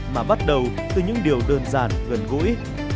mà bắt đầu từ những điều đơn giản gần gũi